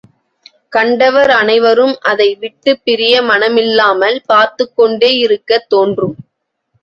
கண்டவர் அனைவரும் அதை விட்டுப் பிரிய மனமில்லாமல் பார்த்துக்கொண்டே இருக்கத் தோன்றும்.